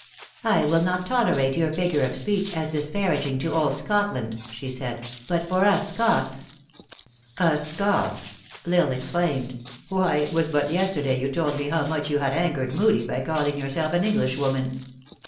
" I will not tolerate your figure of speech, as dis paraging to old Scotland," she said. " But for us Scots" " Us Scots !" L Isle exclaimed. " Why, it was but yesterday you told me how much you had angered Moodie by calling yourself an English woman."